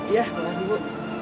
ya makasih ibu